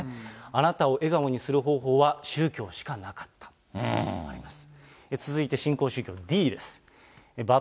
あなたを笑顔にする方法は宗教しかなかったとあります。